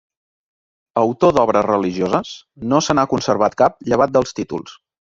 Autor d'obres religioses, no se n'ha conservat cap llevat dels títols.